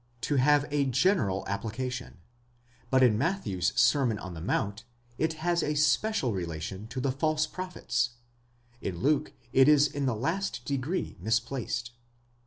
to have a general application, but in Matthew's Sermon on the Mount, it has a special relation to the false prophets ; in Luke, it is in the last degree misplaced.